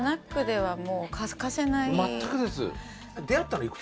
全くです。